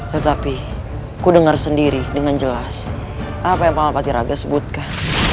tetapi ku dengar sendiri dengan jelas apa yang paman patiraga sebutkan